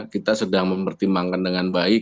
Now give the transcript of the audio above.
kita sedang mempertimbangkan dengan baik